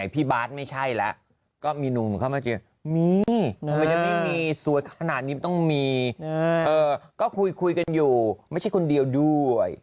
พี่บาทไม่ใช่แล้วก็มีนุ่มเข้ามาเจียบมีสวยขนาดนี้ต้องมีก็คุยคุยกันอยู่ไม่ใช่คนเดียวด้วย